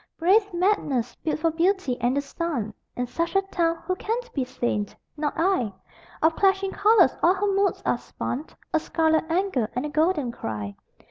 Brave madness, built for beauty and the sun In such a town who can be sane? Not I. Of clashing colors all her moods are spun A scarlet anger and a golden cry.